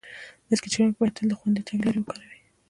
بایسکل چلونکي باید تل د خوندي تګ لارې وکاروي.